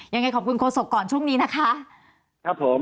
ยังไงขอบคุณโครณสกศพก่อนช่วงนี้นะครับ